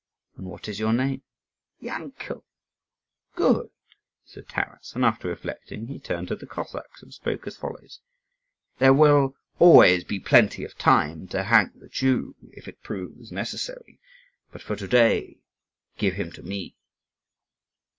"And what is your name?" "Yankel." "Good," said Taras; and after reflecting, he turned to the Cossacks and spoke as follows: "There will always be plenty of time to hang the Jew, if it proves necessary; but for to day give him to me."